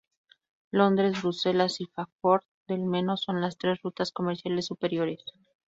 Londres, Bruselas y Fráncfort del Meno son las tres rutas comerciales superiores.